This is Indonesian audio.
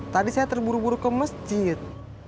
tadi saya terburu buru ke masjid